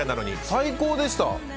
最高でした。